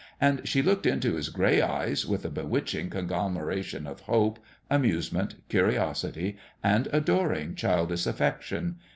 and she looked into his gray eyes with a bewitching con glomeration of hope, amusement, curiosity and adoring childish affection.